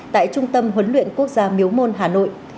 tại trung tâm huấn luyện quốc gia miếu môn hà nội